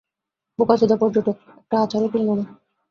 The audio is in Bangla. বোকাচোদা পর্যটক, একটা আচার ও কিনলো না।